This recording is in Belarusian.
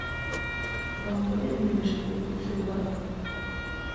Вам паведамілі, што ўсё ў парадку?